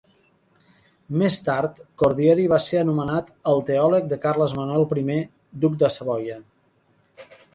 Més tard, Cordieri va ser nomenat el teòleg de Carles Manuel I, duc de Savoia.